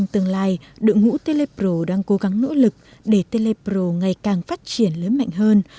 tương lai đội ngũ telepro đang cố gắng nỗ lực để telepro ngày càng phát triển lớn mạnh hơn